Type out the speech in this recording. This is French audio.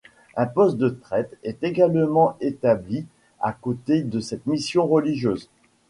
Un poste de traite est également établi à côté de cette mission religieuse.